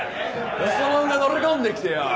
よそ者が乗り込んできてよ